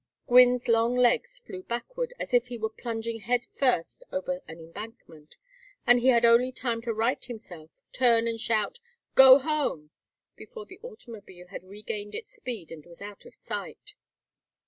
Gwynne's long legs flew backward as if he were plunging head first over an embankment, and he had only time to right himself, turn and shout "Go home," before the automobile had regained its speed and was out of sight.